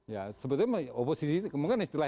ya sebetulnya oposisi itu mungkin istilah